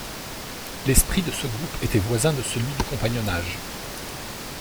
L'esprit de ce groupe était voisin de celui du compagnonnage.